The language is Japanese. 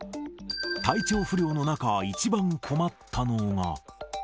体調不良の中、一番困ったのが。